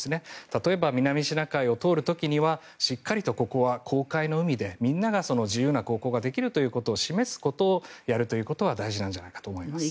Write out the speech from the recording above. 例えば、南シナ海を通る時はしっかりとここは公海の海でみんなが自由な航行ができるということを示すということをやるというのは大事なんじゃないかと思います。